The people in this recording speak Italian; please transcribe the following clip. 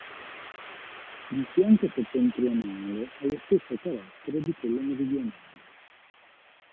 Il fianco settentrionale ha lo stesso carattere di quello meridionale.